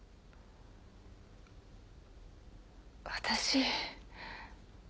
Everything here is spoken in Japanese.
私。